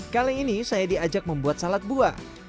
kali ini saya diajak membuat salad buah